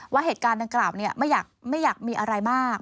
ว่าเหตุการณ์ดังกล่าวไม่อยากมีอะไรมาก